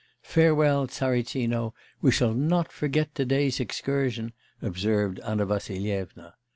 'Farewell, Tsaritsino, we shall not forget to day's excursion!' observed Anna Vassilyevna....